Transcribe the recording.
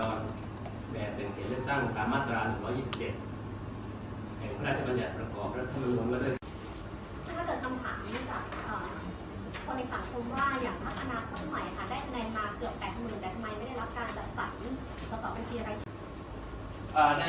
กับสิ่งสตบต่อไปเป็นเกี่ยวกัน